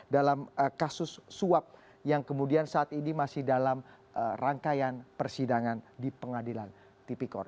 dalam kasus suap yang kemudian saat ini masih dalam rangkaian persidangan di pengadilan tipikor